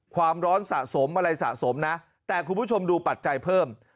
ความร้อนสะสมอะไรสะสมนะแต่คุณผู้ชมดูปัจจัยเพิ่ม